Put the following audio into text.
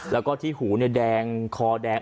แล้วก็ที่หูแดงคอแดง